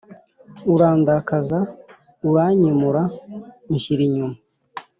urandakaza uranyimūra, unshyira inyuma